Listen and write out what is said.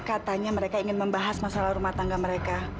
katanya mereka ingin membahas masalah rumah tangga mereka